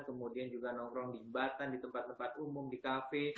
kemudian juga nongkrong jembatan di tempat tempat umum di kafe